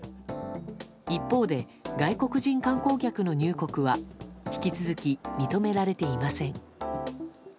一方で外国人観光客の入国は引き続き認められていません。